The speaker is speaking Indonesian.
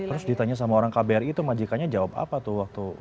terus ditanya sama orang kbri tuh majikanya jawab apa tuh waktu